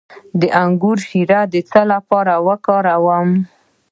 د انګور شیره د څه لپاره وکاروم؟